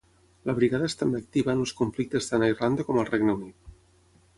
La Brigada és també activa en els conflictes tant a Irlanda com al Regne Unit.